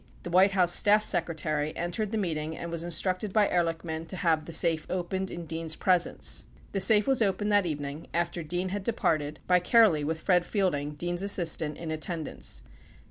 Bruce Kehrli, the White House staff secretary, entered the meeting and was instructed by Ehrlichman to have the safe opened in Dean's presence. 96 The safe was opened that evening, after Dean had departed, by Kehrli with Fred Fielding, Dean's assistant, in attendance.